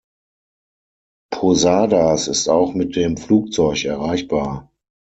Posadas ist auch mit dem Flugzeug erreichbar.